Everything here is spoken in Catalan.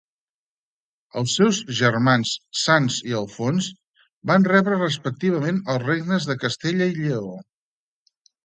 Els seus germans Sanç i Alfons van rebre respectivament els regnes de Castella i Lleó.